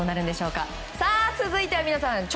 続いては皆さん